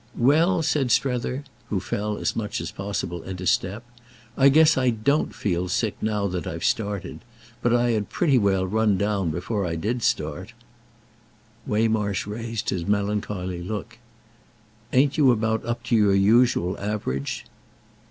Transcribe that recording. "Well," said Strether, who fell as much as possible into step, "I guess I don't feel sick now that I've started. But I had pretty well run down before I did start." Waymarsh raised his melancholy look. "Ain't you about up to your usual average?"